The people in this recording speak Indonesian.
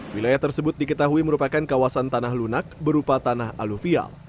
wilayah tersebut diketahui merupakan kawasan tanah lunak berupa tanah aluvial